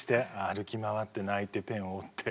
歩き回って泣いてペンを折って。